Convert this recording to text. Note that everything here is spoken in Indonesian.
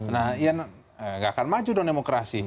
nah iya nggak akan maju dong demokrasi